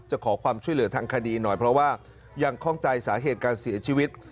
ขอความช่วยเหลือทางคดีหน่อยเพราะว่ายังคล่องใจสาเหตุการเสียชีวิต